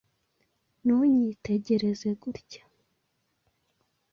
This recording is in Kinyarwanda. Ntunyitegereze gutya.